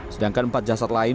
sedangkan empat jasad lain